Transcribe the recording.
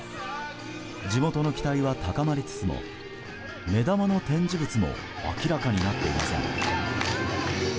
地元の期待は高まりつつも目玉の展示物も明らかになっていません。